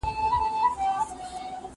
د کتیتر لګول څنګه کیږي؟